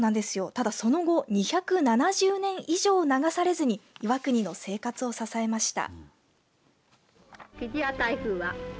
ただその後２７０年以上流されずに岩国の生活を支えました。